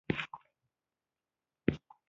ټول شغ شغ ووتل.